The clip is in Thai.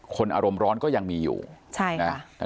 อารมณ์ร้อนก็ยังมีอยู่ใช่นะ